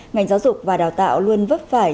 ngành giáo dục và đào tạo luôn vấp phải